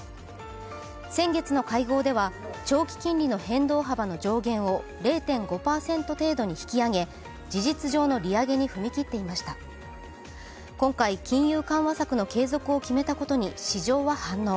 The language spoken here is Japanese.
先月の会合では、長期金利の変動幅の上限を０．５％程度に引きあげ、事実上の利上げに踏み切っていました今回、金融緩和策の継続を決めたことに市場は反応。